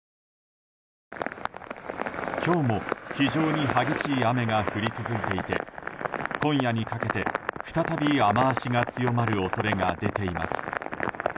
今日も非常に激しい雨が降り続いていて今夜にかけて再び雨脚が強まる恐れが出ています。